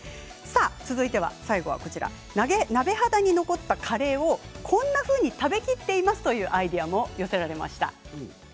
最後はこちら鍋肌に起こったカレーをこんなふうに食べきっていますというアイデアも寄せられました。